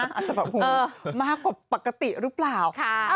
อาจจะแบบหูมากกว่าปกติหรือเปล่า